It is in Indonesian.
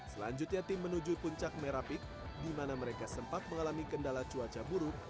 selanjutnya tim menuju puncak merapik di mana mereka sempat mengalami kendala cuaca buruk